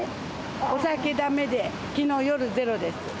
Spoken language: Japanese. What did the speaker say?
お酒だめで、きのう夜、ゼロです。